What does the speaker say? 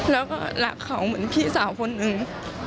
แล้วก็รักเขาเหมือนพี่สาวคนหนึ่ง